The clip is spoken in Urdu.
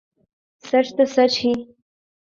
سچ تو سچ ہی